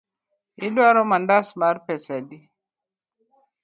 Iduaro mandas mar pesa adi?